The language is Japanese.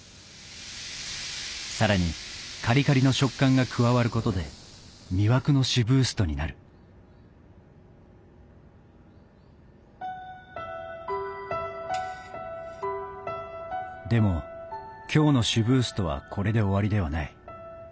さらにカリカリの食感が加わることで魅惑のシブーストになるでも今日のシブーストはこれで終わりではない。